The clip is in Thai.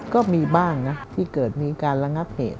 ก็มีบ้างนะที่เกิดมีการระงับเหตุ